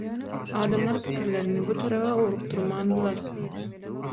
Adamlar pikirlerini bu taraba ugrukdurmandylar.